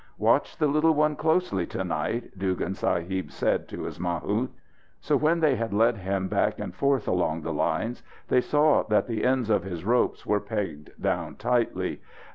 "Watch the little one closely to night," Dugan Sahib said to his mahout. So when they had led him back and forth along the lines, they saw that the ends of his ropes were pegged down tightly.